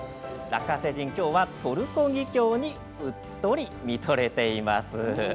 ラッカ星人、きょうはトルコギキョウにうっとり見とれています。